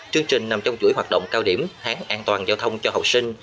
chương trình nằm trong chuỗi hoạt động cao điểm tháng an toàn giao thông cho học sinh